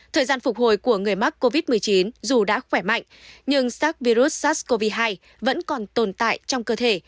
thời gian phục hồi của người mắc covid một mươi chín dù đã khỏe mạnh nhưng sars virus sars cov hai vẫn còn tồn tại trong cơ thể